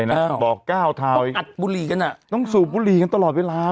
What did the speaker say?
สูบแน่หรอไม่ใช่สูบบุหรี่แมวดำไหม